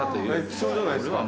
貴重じゃないですか。